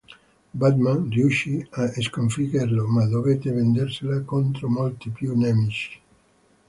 Batman riuscì a sconfiggerlo, ma dovette vedersela contro molti più nemici.